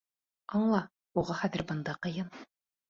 Аңла, уға хәҙер бында ҡыйын.